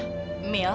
dan orang itu adalah